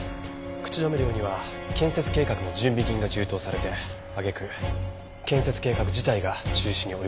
口止め料には建設計画の準備金が充当されて揚げ句建設計画自体が中止に追い込まれました。